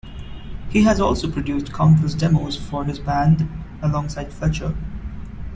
He has also produced countless demos for his band, alongside Fletcher.